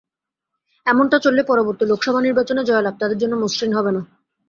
এমনটা চললে পরবর্তী লোকসভা নির্বাচনে জয়লাভ তাদের জন্য মসৃণ হবে না।